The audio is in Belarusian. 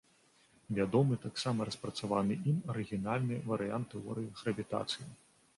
Вядомы таксама распрацаваны ім арыгінальны варыянт тэорыі гравітацыі.